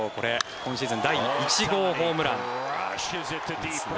今シーズン第１号ホームラン。